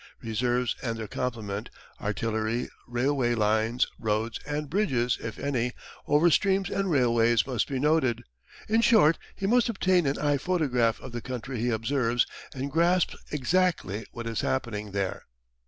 Reserves and their complement, artillery, railway lines, roads, and bridges, if any, over streams and railways must be noted in short he must obtain an eye photograph of the country he observes and grasp exactly what is happening there.